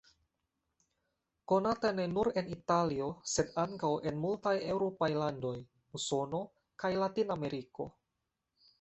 Konata ne nur en Italio sed ankaŭ en multaj eŭropaj landoj, Usono kaj Latinameriko.